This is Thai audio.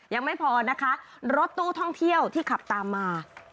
ยังไม่พอนะคะรถตู้ท่องเที่ยวที่ขับตามมา